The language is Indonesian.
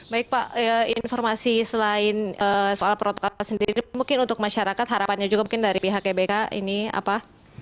baik pak informasi selain soal protokol sendiri mungkin untuk masyarakat harapannya juga mungkin dari pihak gbk ini apa